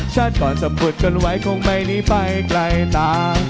ชาติก่อนสมบูรณ์กันไว้คงไม่ได้ไปไกลนาน